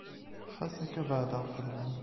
Xas akka beɛdeɣ fell-am.